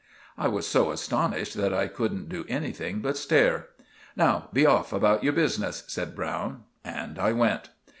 I was so astonished that I couldn't do anything but stare. "Now be off about your business," said Browne, and I went.